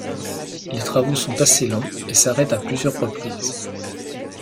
Les travaux sont assez longs et s'arrêtent à plusieurs reprises.